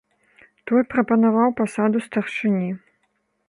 Той прапанаваў пасаду старшыні.